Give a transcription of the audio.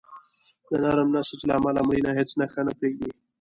د نرم نسج له امله مړینه هیڅ نښه نه پرېږدي.